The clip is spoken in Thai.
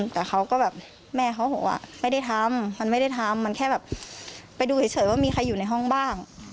แต่เขาก็แบบแม่เขาบอกว่าไม่ได้ทำมันไม่ได้ทำมันแค่แบบไปดูเฉยว่ามีใครอยู่ในห้องบ้าง